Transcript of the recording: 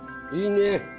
いいね。